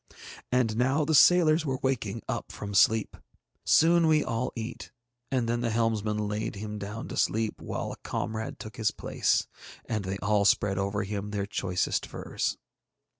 And now the sailors were waking up from sleep. Soon we all eat, and then the helmsman laid him down to sleep while a comrade took his place, and they all spread over him their choicest furs.